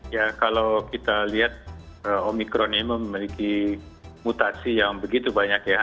ya kalau kita lihat omikron ini memiliki mutasi yang begitu banyak ya